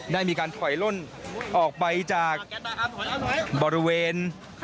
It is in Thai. ได้มีการถอยล่นออกไปจากบริเวณ